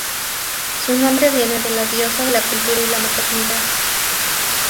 Su nombre viene de la diosa de la cultura y la maternidad.